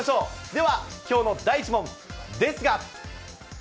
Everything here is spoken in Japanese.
では、きょうの第１問、ですが。